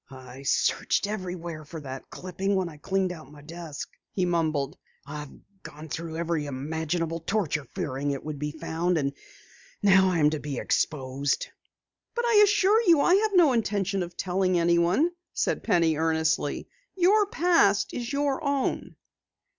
"I searched everywhere for that clipping when I cleaned out my desk," he mumbled. "I've gone through every imaginable torture fearing it would be found. And now I am to be exposed!" "But I assure you I have no intention of telling anyone," said Penny earnestly. "Your past is your own."